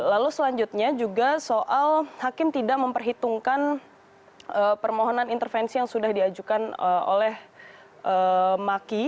lalu selanjutnya juga soal hakim tidak memperhitungkan permohonan intervensi yang sudah diajukan oleh maki